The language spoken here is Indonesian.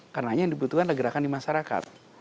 karena yang dibutuhkan adalah gerakan di masyarakat